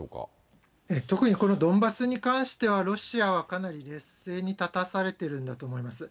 特にこのドンバスに関しては、ロシアはかなり劣勢に立たされてるんだと思います。